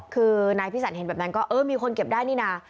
คือนายพิสันเห็นแบบนั้นก็เออมีคนเก็บได้นี่นะ